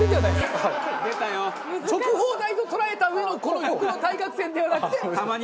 直方体と捉えたうえのこの横の対角線ではなくて。